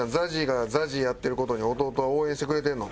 ＺＡＺＹがＺＡＺＹやってる事に弟は応援してくれてるの？